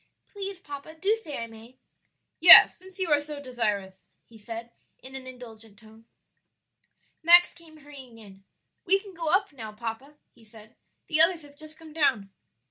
"Please, papa, do say I may." "Yes, since you are so desirous," he said, in an indulgent tone. Max came hurrying in. "We can go up now, papa," he said; "the others have come down."